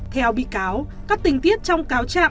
theo bị cáo các tình tiết trong cáo trạm